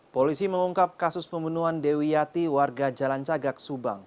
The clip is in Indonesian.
polisi mengungkap kasus pembunuhan dewi yati warga jalan cagak subang